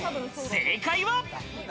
正解は。